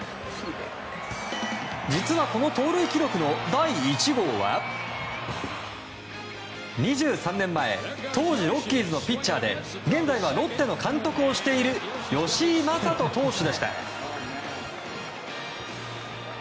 実は、この盗塁記録の第１号は２３年前当時ロッキーズのピッチャーで現在はロッテの監督をしている吉井理人投手でした。